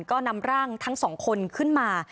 ก็นำร่างทั้งสองคนขึ้นมา